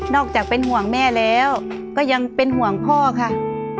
อกจากเป็นห่วงแม่แล้วก็ยังเป็นห่วงพ่อค่ะ